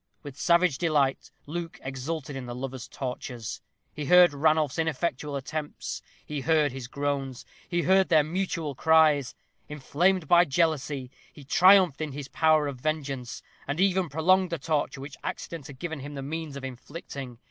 With savage delight Luke exulted in the lovers' tortures. He heard Ranulph's ineffectual attempts; he heard his groans; he heard their mutual cries. Inflamed by jealousy, he triumphed in his power of vengeance, and even prolonged the torture which accident had given him the means of inflicting.